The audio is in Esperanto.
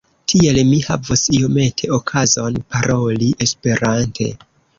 Tiel mi havos iomete okazon paroli Esperante.